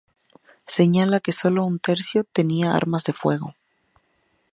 Señala que sólo un tercio tenía armas de fuego.